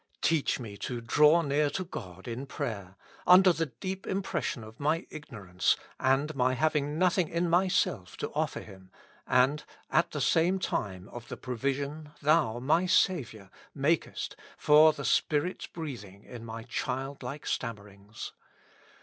Teach me to draw near to God in prayer under the deep impression of my ignorance and my having nothing in myself to offer Him, and at the same time of the provision Thou, my Saviour, makest for the Spirit's breathing in my childlike stammerings.